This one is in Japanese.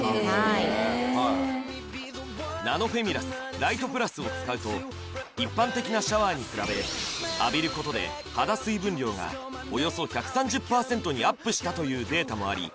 ・ライトプラスを使うと一般的なシャワーに比べ浴びることで肌水分量がおよそ１３０％にアップしたというデータもあり